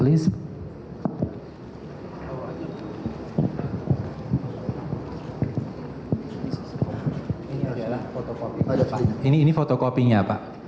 ini fotokopinya pak